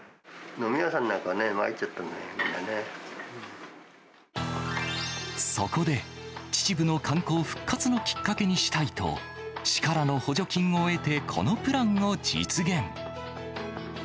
飲み屋さんなんかね、まいっそこで、秩父の観光復活のきっかけにしたいと、市からの補助金を得てこのプランを実現。